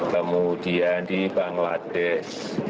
kemudian di bangladesh